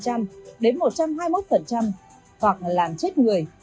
hoặc làm chết người